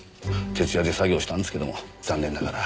徹夜で作業したんですけども残念ながら。